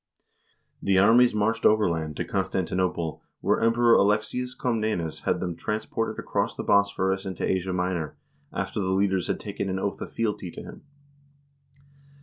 The armies marched overland to Constanti nople, where Emperor Alexius Comnenus had them transported across the Bosphorus into Asia Minor, after the leaders had taken an oath of fealty to him.